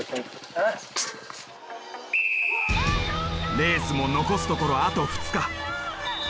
レースも残すところあと２日。